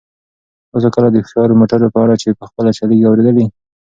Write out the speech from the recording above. تاسو کله د هوښیارو موټرو په اړه چې په خپله چلیږي اورېدلي؟